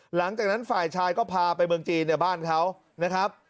หลังจากนั้นฝ่ายชายก็พาไปเมืองจีนในบ้านเขานะครับ